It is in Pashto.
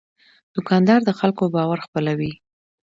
دوکاندار د خلکو باور خپلوي.